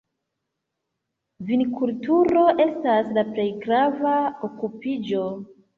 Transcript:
Vinkulturo estas la plej grava okupiĝo.